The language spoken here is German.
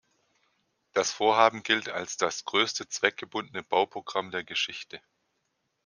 Das Vorhaben gilt als das größte zweckgebundene Bauprogramm der Geschichte.